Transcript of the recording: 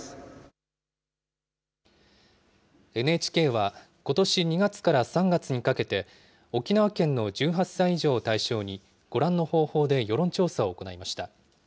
ＮＨＫは、ことし２月から３月にかけて、沖縄県の１８歳以上を対象に、ご覧の方法で世論調査を行いました。